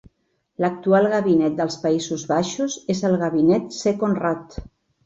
L'actual gabinet dels Països Baixos és el gabinet Second Rutte.